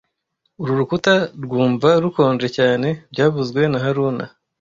Uru rukuta rwumva rukonje cyane byavuzwe na haruna